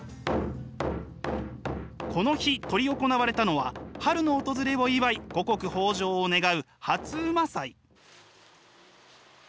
この日執り行われたのは春の訪れを祝い五穀豊じょうを願う初午祭。